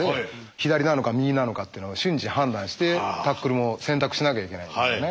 左なのか右なのかってのを瞬時判断してタックルを選択しなきゃいけないんですね。